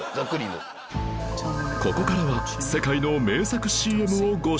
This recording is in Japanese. ここからは世界の名作 ＣＭ をご紹介